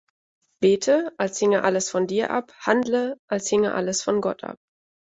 Bete, als hinge alles von dir ab, handle, als hinge alles von Gott ab.